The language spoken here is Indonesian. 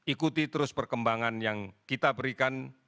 ikuti terus perkembangan yang kita berikan